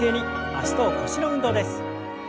脚と腰の運動です。